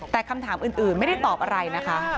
แต่คำถามอื่นไม่ได้ตอบอะไรนะคะ